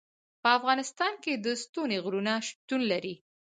په افغانستان کې ستوني غرونه شتون لري.